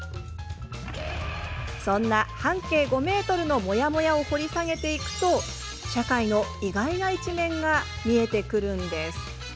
そんな「半径５メートル」のモヤモヤを掘り下げていくと社会の意外な一面が見えてくるんです。